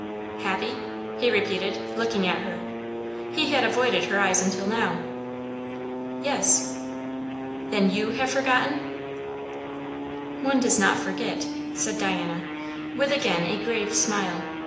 "Happy?" he repeated, looking at her. He had avoided her eyes until now. "Yes." "Then you have forgotten?" "One does not forget," said Diana, with again a grave smile.